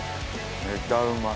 めちゃうまい。